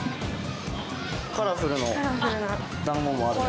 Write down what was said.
カラフルのだんごもあるね。